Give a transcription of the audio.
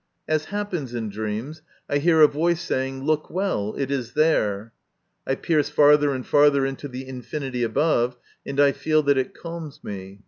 As happens in dreams, I hear a voice saying, " Look well ; it is there !" I pierce farther and farther into the infinity above, and I feel that it calms me.